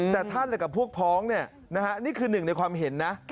แต่ท่านกับพวกพ้องนี่คือหนึ่งในความเห็นนะ